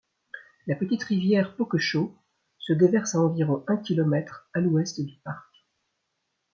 La Petite Rivière Pokeshaw se déverse à environ un kilomètre à l'ouest du parc.